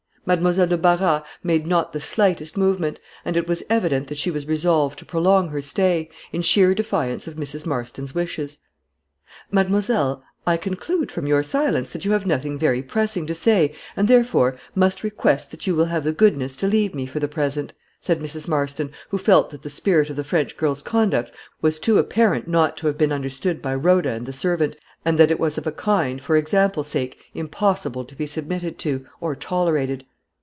Mademoiselle de Barras made not the slightest movement, and it was evident that she was resolved to prolong her stay, in sheer defiance of Mrs. Marston's wishes. "Mademoiselle, I conclude from your silence that you have nothing very pressing to say, and, therefore, must request that you will have the goodness to leave me for the present," said Mrs. Marston, who felt that the spirit of the French girl's conduct was too apparent not to have been understood by Rhoda and the servant, and that it was of a kind, for example sake, impossible to be submitted to, or tolerated.